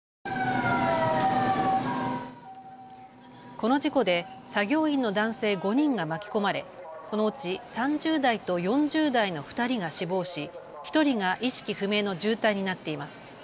この事故で作業員の男性５人が巻き込まれ、このうち３０代と４０代の２人が死亡し、１人が意識不明の重体になっています。